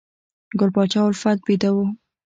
ګل پاچا الفت بیده و